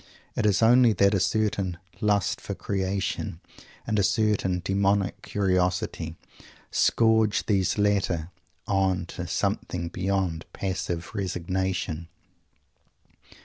It is only that a certain lust for creation, and a certain demonic curiosity, scourge these latter on to something beyond passive resignation.